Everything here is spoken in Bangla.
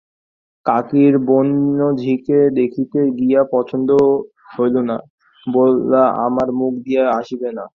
কাকীর বোনঝিকে দেখিতে গিয়া পছন্দ হইল না বলা আমার মুখ দিয়া আসিবে না।